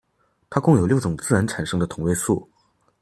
它共有六种自然产生的同位素。